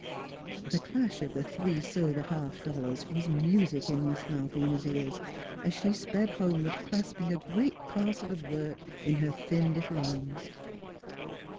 ..." The clash of the three silver half dollars was music in Miss Malvina's ears, as she sped home ward clasping a great parcel of work in her thin little arms.